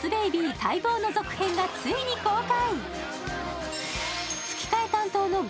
待望の続編がついに公開。